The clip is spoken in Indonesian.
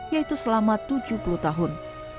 yaitu selama tujuh puluh tahun